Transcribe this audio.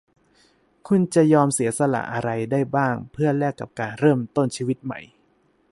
"คุณจะยอมเสียสละอะไรได้บ้างเพื่อแลกกับการเริ่มต้นชีวิตใหม่ ?"